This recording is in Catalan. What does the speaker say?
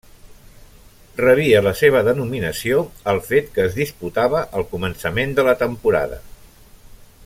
Rebia la seva denominació al fet que es disputava al començament de la temporada.